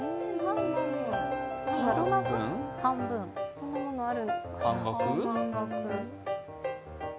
そんなものある？